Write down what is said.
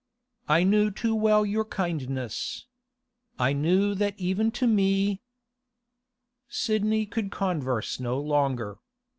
I knew too well your kindness. I knew that even to me—' Sidney could converse no longer.